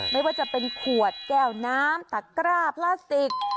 ไม่ว่าจะเป็นขวดแก้วน้ำตะกร้าพลาสติก